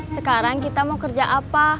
sekarang kita mau kerja apa